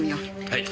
はい。